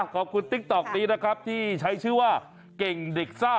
ติ๊กต๊อกนี้นะครับที่ใช้ชื่อว่าเก่งเด็กซ่า